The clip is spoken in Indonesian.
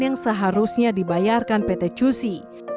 yang seharusnya dibayarkan pt cusi